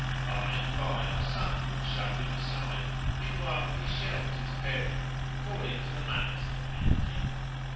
By and by a son would shove him aside; meanwhile he shelved his parent, according to the manners of energy.